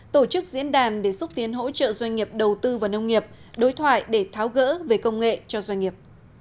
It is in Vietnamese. tổ chức diễn đàn để xúc tiến hỗ trợ doanh nghiệp đầu tư vào nông nghiệp đối thoại để tháo gỡ về công nghệ cho doanh nghiệp